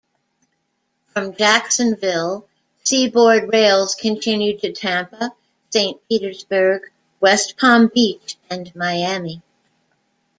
From Jacksonville, Seaboard rails continued to Tampa, Saint Petersburg, West Palm Beach and Miami.